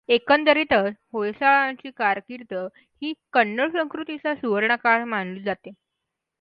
एकंदरीतच होयसाळांची कारकिर्द ही कन्नड संस्कृतीचा सुवर्णकाळ मानली जाते.